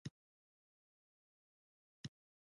• سترګې د مختلفو خلکو سره اړیکه ټینګوي.